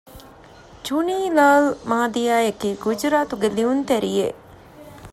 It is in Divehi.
ޗުނީ ލާލް މާދިއާ އަކީ ގުޖުރާތުގެ ލިޔުންތެރިއެއް